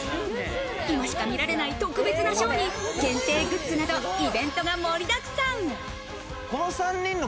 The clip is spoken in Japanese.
今しか見られない特別なショーに限定グッズなど、イベントが盛りだくさん。